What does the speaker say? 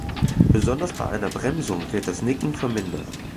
Besonders bei einer Bremsung wird das Nicken vermindert.